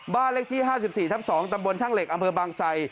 บ้านเลขที่๕๔ทับ๒ตำบลช่างเหล็กอำเภอบางไซ